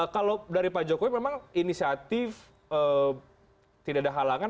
kalau dari pak jokowi memang inisiatif tidak ada halangan